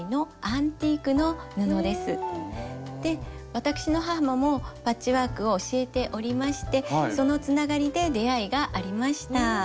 私の母もパッチワークを教えておりましてそのつながりで出会いがありました。